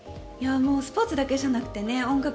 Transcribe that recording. スポーツだけじゃなくて音楽